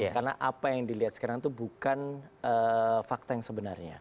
karena apa yang dilihat sekarang itu bukan fakta yang sebenarnya